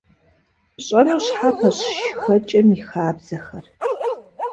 Пщӏэну щхьэпэщ шхэкӏэм и хабзэхэр.